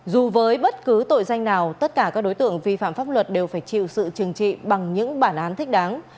dù với bất cứ tội danh nào tất cả các đối tượng vi phạm pháp luật đều phải chịu sự trừng trị bằng những bản án thích đáng